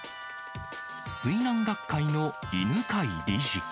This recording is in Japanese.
水難学会の犬飼理事。